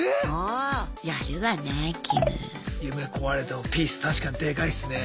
夢壊れてもピース確かにでかいっすね。